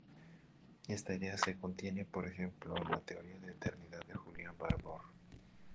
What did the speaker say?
Esta idea se contiene, por ejemplo, en la teoría de eternidad de Julian Barbour.